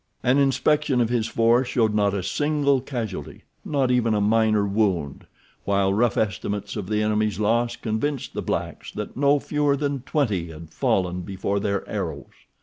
An inspection of his force showed not a single casualty—not even a minor wound; while rough estimates of the enemies' loss convinced the blacks that no fewer than twenty had fallen before their arrows.